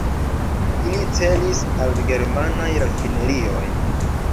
Ili celis al germanaj rafinerioj.